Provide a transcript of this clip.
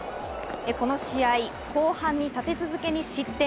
この試合、後半に立て続けに失点。